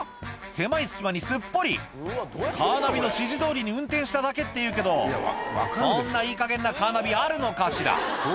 狭い隙間にすっぽりカーナビの指示どおりに運転しただけっていうけどそんないいかげんなカーナビあるのかしら？